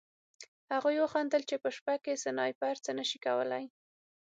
هغوی وخندل چې په شپه کې سنایپر څه نه شي کولی